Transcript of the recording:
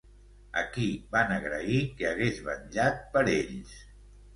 A qui van agrair que hagués vetllat per ells?